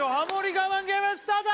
我慢ゲームスタート！